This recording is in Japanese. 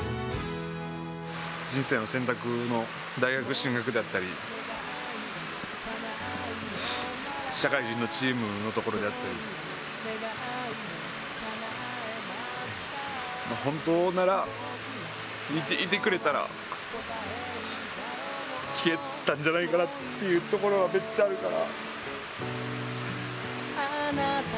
人生の選択の大学進学であったり、社会人のチームのところであったり、本当なら、生きていてくれたら、聞けてたんじゃないかなっていうところは、めっちゃあるから。